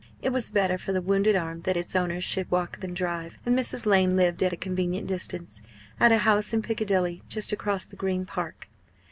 It was better for the wounded arm that its owner should walk than drive; and Mrs. Lane lived at a convenient distance, at a house in Piccadilly, just across the Green Park.